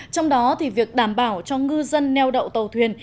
trong đó việc đảm bảo cho ngư dân neo đậu tàu thuyền